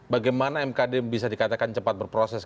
bagaimana mkd bisa dikatakan cepat berproses